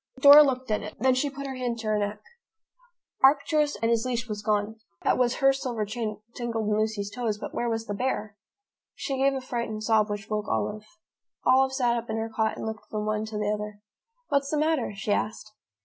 Dora looked at it. Then she put her hand to her neck. Arcturus and his leash were gone. That was her silver chain tangled in Lucy's toes, but where was the bear? She gave a frightened sob, which woke Olive. Olive sat up in her cot and looked from one to the other. "What's the matter?" she asked.